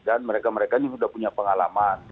dan mereka mereka ini sudah punya pengalaman